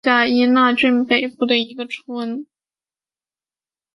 当时名为莫斯基托县。